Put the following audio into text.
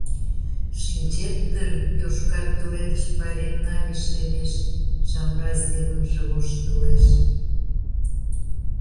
Шинчет дыр: йошкар пеледыш пайремна лишемеш, — Шамрай семынже воштылеш.